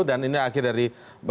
dan ini akhir dari